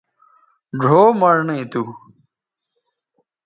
ڙھؤ مڑنئ تھو